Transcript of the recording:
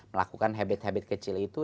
melakukan kebiasaan kebiasaan kecil itu